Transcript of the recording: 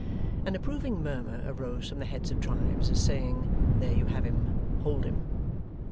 An approving murmur arose from the heads of tribes; as saying, 'There you have him! Hold him!